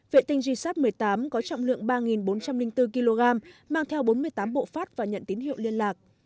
vệ tinh gysat một mươi tám có trọng lượng ba bốn trăm linh bốn kg mang theo bốn mươi tám bộ phát và nhận tín hiệu liên lạc